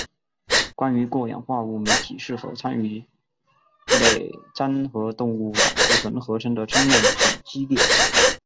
关于过氧化物酶体是否参与类萜和动物胆固醇合成的争论很激烈。